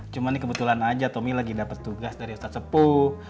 cuma ini kebetulan aja tommy lagi dapet tugas dari ustadz sepuh